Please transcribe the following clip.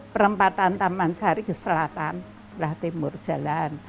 perempatan taman sari ke selatan sebelah timur jalan